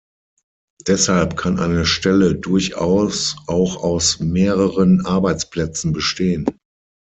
Deshalb kann eine Stelle durchaus auch aus mehreren Arbeitsplätzen bestehen.